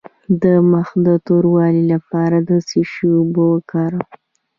د مخ د توروالي لپاره د څه شي اوبه وکاروم؟